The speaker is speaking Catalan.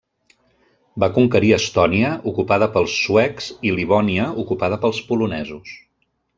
Va conquerir Estònia, ocupada pels suecs i Livònia, ocupada pels polonesos.